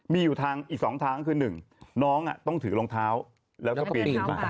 มีอยู่ทางอีกสองทางคือหนึ่งน้องต้องถือรองเท้าแล้วก็ปีนไป